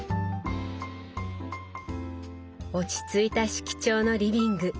落ち着いた色調のリビング。